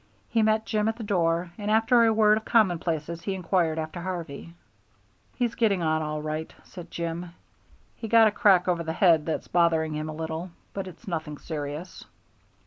He met Jim at the door, and after a word of commonplaces he inquired after Harvey. "He's getting on all right," said Jim. "He got a crack over the head that's bothering him a little, but it's nothing serious."